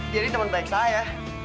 dia nih teman baik saya